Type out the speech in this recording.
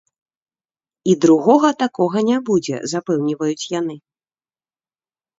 І другога такога не будзе, запэўніваюць яны.